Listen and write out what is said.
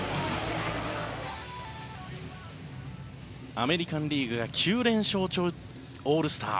アメリカン・リーグが９連勝中のオールスター。